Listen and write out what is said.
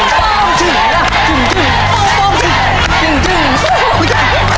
สุดท้ายสุดท้ายสุดท้าย